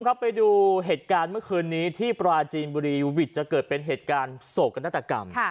ไปดูเหตุการณ์เมื่อคืนนี้ที่ปราจีนบุรีวิทย์จะเกิดเป็นเหตุการณ์โศกนาฏกรรม